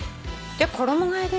じゃあ「衣替え」で。